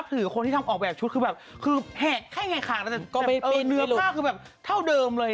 นับถือคนที่ทำออกแบบชุดคือแหกแค่ไงขากแล้วแต่เนื้อผ้าคือแบบเท่าเดิมเลย